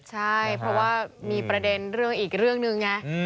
ใช่เพราะว่ามีประเด็นเรื่องอีกเรื่องหนึ่งไง